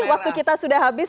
waktu kita sudah habis